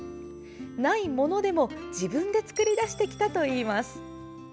ないものでも自分で作り出してきたといいます。